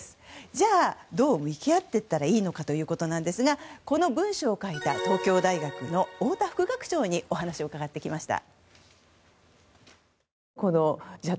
じゃあ、どう向き合っていったらいいのかということなんですがこの文章を書いた東京大学の太田副学長にお話を伺ってきました。